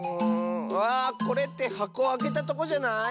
あこれってはこをあけたとこじゃない？